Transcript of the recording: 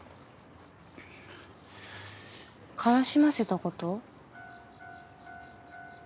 悲しませたこと？